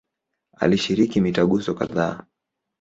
Alishiriki mitaguso kadhaa.